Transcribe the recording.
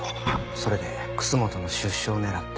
それで楠本の出所を狙って。